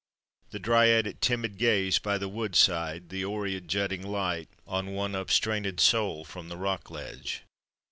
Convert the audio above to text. The Dryad at timid gaze by the wood side? The Oread jutting light On one up strainèd sole from the rock ledge?